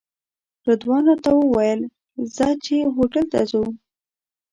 رضوان راته وویل ځه چې هوټل ته ځو.